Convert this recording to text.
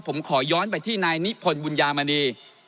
ผมขอย้อนไปที่นายนิพนธ์บุญญามณี